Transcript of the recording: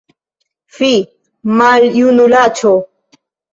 Fi, maljunulaĉo!